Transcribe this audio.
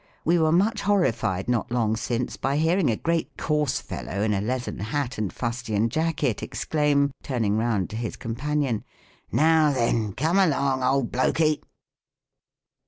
We were much hor rified not long since, by hearing a great coarse fellow, in a leathern hat and fustian jacket, exclaim, turning round to his companion, "Now, then, come along, old Blokey